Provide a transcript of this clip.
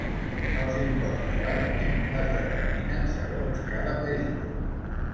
Els imports de pagament es determinen segons cada país.